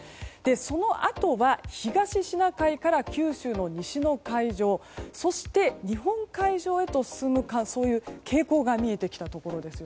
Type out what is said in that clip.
そのあとは東シナ海から九州の西の海上そして、日本海上へと進む傾向が見えたところです。